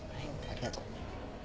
ありがとう。